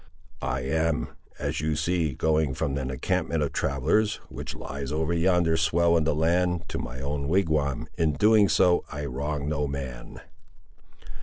"I am, as you see, going from an encampment of travellers, which lies over yonder swell in the land, to my own wigwam; in doing so, I wrong no man."